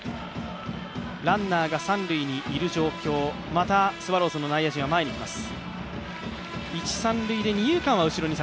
ランナーが三塁にいる状況、また、スワローズの内野陣は前にいきます。